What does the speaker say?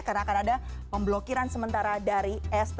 karena akan ada pemblokiran sementara dari